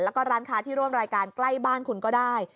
แล้วก็ร้านค้าที่ร่วมรายการใกล้บ้านคุณก็ได้